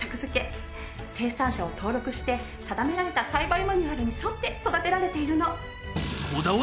生産者を登録して定められた栽培マニュアルに沿って育てられているの。